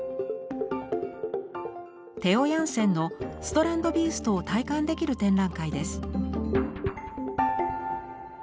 テオ・ヤンセンのストランドビーストを体感できる展覧会です。